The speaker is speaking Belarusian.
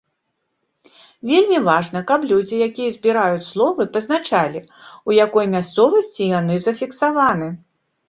Вельмі важна, каб людзі, якія збіраюць словы, пазначалі, у якой мясцовасці яны зафіксаваны.